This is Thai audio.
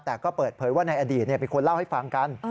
แต่ก็เปิดเผยว่าในอดีตเป็นคนเล่าให้ฟังกัน